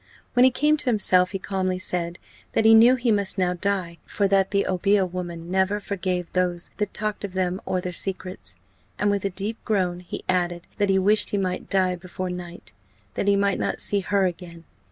When he came to himself, he calmly said, that he knew he must now die, for that the obeah women never forgave those that talked of them or their secrets; and, with a deep groan, he added, that he wished he might die before night, that he might not see her again.